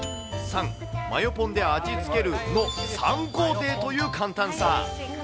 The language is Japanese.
３、マヨポンで味付けるの３工程という簡単さ。